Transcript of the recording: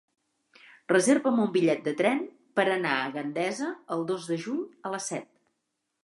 Reserva'm un bitllet de tren per anar a Gandesa el dos de juny a les set.